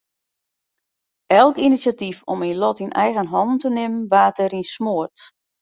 Elk inisjatyf om myn lot yn eigen hannen te nimmen waard deryn smoard.